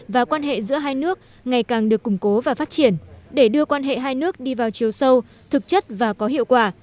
và quan hệ giữa hai nước ngày càng được củng cố và phát triển để đưa quan hệ hai nước đi vào chiều sâu thực chất và có hiệu quả